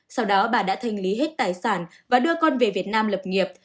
sau đó bà đã thanh lý hết tài sản và đưa con về việt nam lập nghiệp